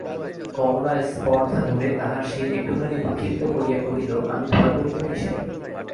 কমলা স্পর্ধাভরে তাহার শির একটুখানি উৎক্ষিপ্ত করিয়া কহিল, আমি ভয় করিব কিসের?